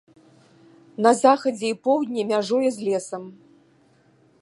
На захадзе і поўдні мяжуе з лесам.